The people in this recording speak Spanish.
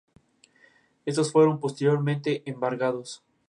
El propuesto avión tendría una cabina presurizada.